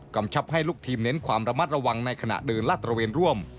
ชับให้ลูกทีมเน้นความระมัดระวังในขณะเดินลาดตระเวนร่วม